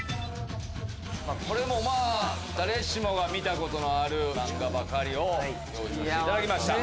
これも誰しもが見たことのある漫画ばかりを用意さしていただきました。